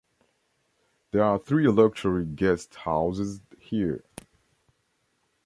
There are three luxury guest houses here.